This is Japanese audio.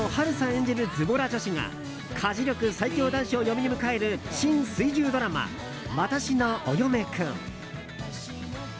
演じるズボラ女子が家事力最強男子を嫁に迎える新水１０ドラマ「わたしのお嫁くん」。